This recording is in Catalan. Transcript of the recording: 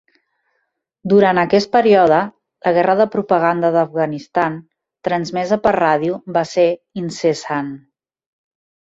Durant aquest període, la guerra de propaganda d'Afganistan, transmesa per ràdio, va ser incessant.